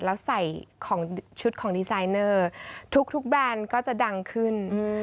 แล้วใส่ของชุดของดีไซเนอร์ทุกแบรนด์ก็จะดังขึ้น